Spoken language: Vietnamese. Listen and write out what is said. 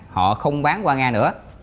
họ không bán qua nga nữa